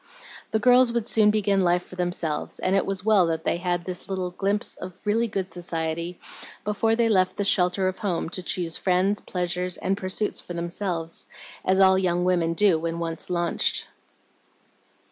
The girls would soon begin life for themselves, and it was well that they had this little glimpse of really good society before they left the shelter of home to choose friends, pleasures, and pursuits for themselves, as all young women do when once launched.